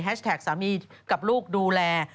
แฮชแท็กสามีกับลูกดูแล